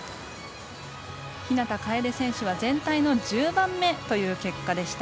日向楓選手は全体の１０番目という結果でした。